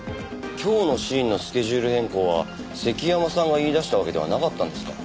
今日のシーンのスケジュール変更は関山さんが言い出したわけではなかったんですか？